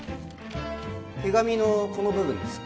手紙のこの部分です